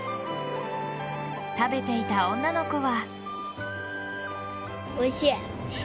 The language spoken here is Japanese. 食べていた女の子は。